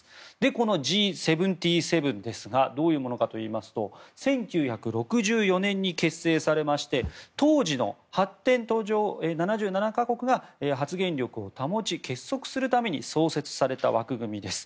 このＧ７７はどういうものかというと１９６４年に結成されまして当時の発展途上７７か国が発言力を保ち、結束するために創設された枠組みです。